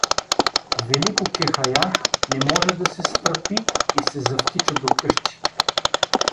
Велико кехая не може да се стърпи и се завтича до къщи.